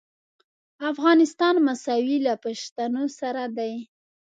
افغانستان مساوي له پښتنو سره دی.